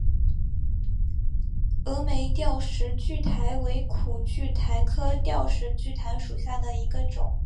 峨眉吊石苣苔为苦苣苔科吊石苣苔属下的一个种。